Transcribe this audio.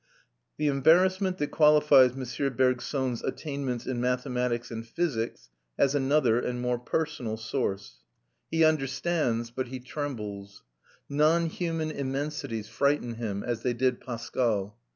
The embarrassment that qualifies M. Bergson's attainments in mathematics and physics has another and more personal source. He understands, but he trembles. Non human immensities frighten him, as they did Pascal.